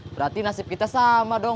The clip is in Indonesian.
berarti nasib kita sama dong